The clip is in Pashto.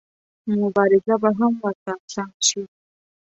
مبارزه به هم ورته اسانه شي.